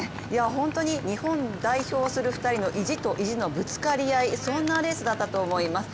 本当に日本を代表する２人の意地と意地のぶつかり合いそんなレースだったと思います。